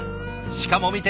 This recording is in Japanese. しかも見て！